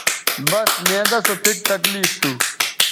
بس معدہ سو پھک تکلیف تھو